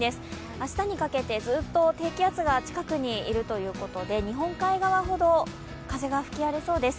明日にかけてずーっと低気圧が近くにいるということで、日本海側ほど風が吹き荒れそうです。